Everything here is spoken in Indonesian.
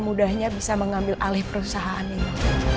mudahnya bisa mengambil alih perusahaan ini